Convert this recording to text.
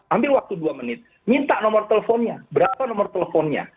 ambil waktu dua menit minta nomor teleponnya berapa nomor teleponnya